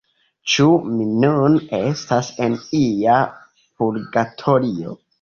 Ĉu mi nun estas en ia purgatorio?